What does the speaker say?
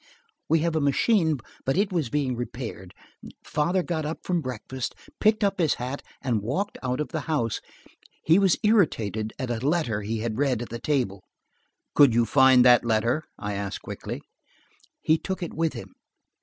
We have a machine, but it was being repaired. Father got up from breakfast, picked up his hat and walked out of the house. He was irritated at a letter he had read at the table–" "Could you find that letter?" I asked quickly. "He took it with him.